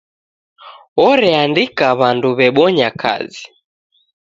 Oreandika w'andu w'ebonya kazi.